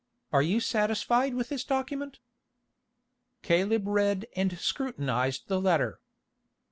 Are you satisfied with this document?" Caleb read and scrutinised the letter.